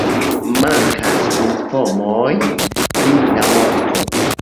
Mankas informoj pri la morto.